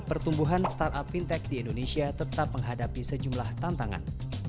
pertumbuhan startup fintech di indonesia tetap menghadapi sejumlah tantangan